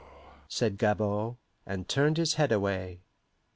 said Gabord, and turned his head away.